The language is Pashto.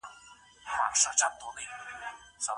هغه د خبرونو په خپرولو کې پوره مهارت لري.